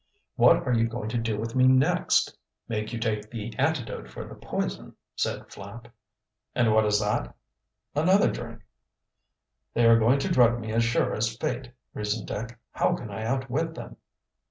"What are you going to do with me next?" "Make you take the antidote for the poison," said Flapp. "And what is that?" "Another drink." "They are going to drug me as sure as fate," reasoned Dick. "How can I outwit them?"